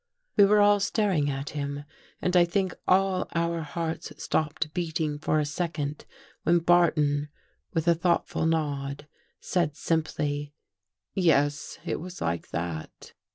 We were all staring at him and I think all our hearts stopped beating for a second when Barton, with a thoughtful nod, said simply, " Yes, it was like that."